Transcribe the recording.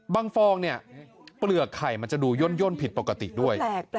ฟองเนี่ยเปลือกไข่มันจะดูย่นผิดปกติด้วย